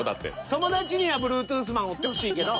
友達にはブルートゥースマンおってほしいけど。